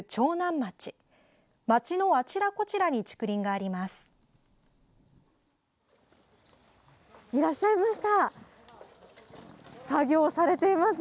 町のあちらこちらに竹林があります。